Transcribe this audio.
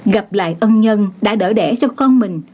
gặp lại ân nhân đã đỡ đẻ cho con mình